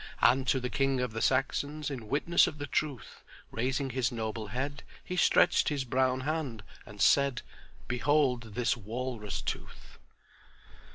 "'And to the King of the Saxons In witness of the truth, Raising his noble head, He stretched his brown hand and said, "Behold this walrus tooth."